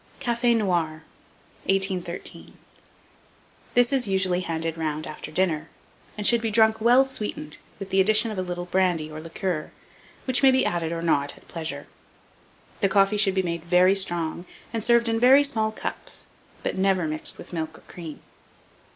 CAFE NOIR. 1813. This is usually handed round after dinner, and should be drunk well sweetened, with the addition of a little brandy or liqueurs, which may be added or not at pleasure. The coffee should be made very strong, and served in very small cups, but never mixed with milk or cream.